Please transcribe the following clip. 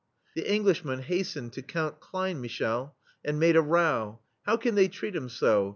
The Englishman hastened to Count Kleinmichel and made a row: "How can they treat him so